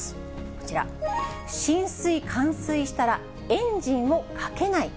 こちら、浸水・冠水したら、エンジンをかけない。